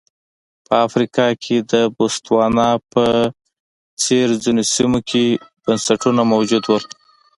په افریقا کې د بوتسوانا په څېر ځینو سیمو کې بنسټونه موجود وو.